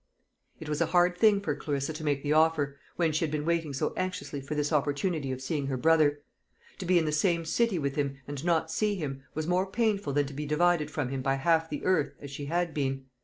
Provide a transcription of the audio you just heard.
It was a hard thing for Clarissa to make the offer, when she had been waiting so anxiously for this opportunity of seeing her brother. To be in the same city with him, and not see him, was more painful than to be divided from him by half the earth, as she had been.